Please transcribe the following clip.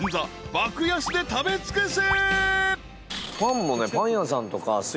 爆安で食べ尽くせ］